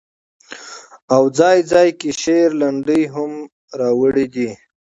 او ځاى ځاى کې شعر، لنډۍ هم را وړي دي